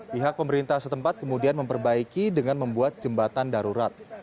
pihak pemerintah setempat kemudian memperbaiki dengan membuat jembatan darurat